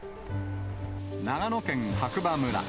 長野県白馬村。